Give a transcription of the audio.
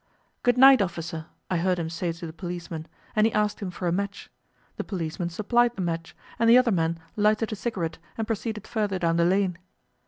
"Goodnight, officer," I heard him say to the policeman, and he asked him for a match. The policeman supplied the match, and the other man lighted a cigarette, and proceeded further down the lane.